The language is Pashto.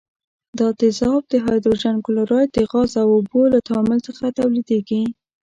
دا تیزاب د هایدروجن کلوراید د غاز او اوبو له تعامل څخه تولیدیږي.